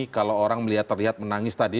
kalau orang melihat terlihat menangis tadi